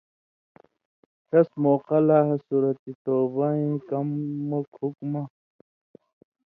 ݜَس موقع لا سورة توبہ ایں کموک حُکمہ